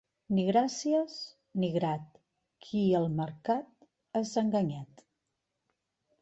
Ni gràcies ni grat qui al mercat és enganyat.